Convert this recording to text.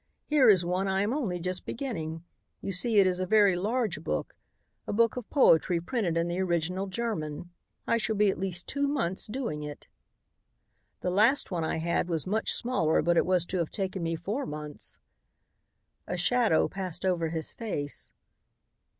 "Here is one I am only just beginning. You see it is a very large book, a book of poetry printed in the original German. I shall be at least two months doing it. "The last one I had was much smaller but it was to have taken me four months." A shadow passed over his face.